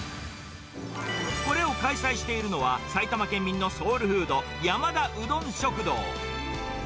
これを開催しているのは、埼玉県民のソウルフード、山田うどん食堂。